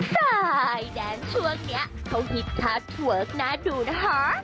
แต่แดนช่วงนี้เขาหิตท่าเทอร์เวิร์กน่าดูนะฮะ